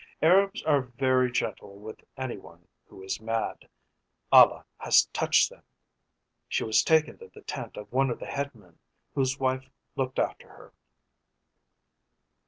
Arabs are very gentle with any one who is mad 'Allah has touched them!' She was taken to the tent of one of the headmen, whose wife looked after her.